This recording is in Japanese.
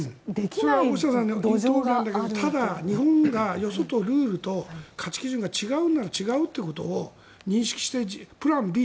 それは大下さんの言うとおりなんだけどただ、日本がよそとルールと価値基準が違うなら違うということを認識してプランＢ。